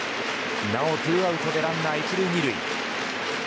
なおツーアウトでランナー、１塁２塁。